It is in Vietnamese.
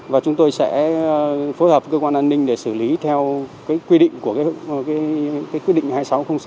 và chúng tôi sẽ phối hợp cơ quan an ninh để xử lý theo cái quy định của cái quy định hai nghìn sáu trăm linh sáu